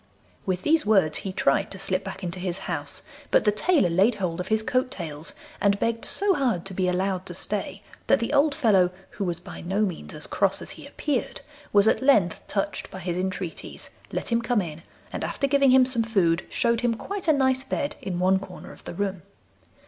With these words he tried to slip back into his house, but the tailor laid hold of his coat tails, and begged so hard to be allowed to stay that the old fellow, who was by no means as cross as he appeared, was at length touched by his entreaties, let him come in, and after giving him some food, showed him quite a nice bed in one corner of the room.